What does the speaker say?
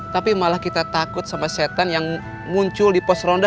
tapi malah kita takut sama setan yang muncul di pos ronda